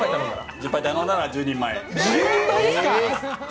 １０杯頼んだら１０人前。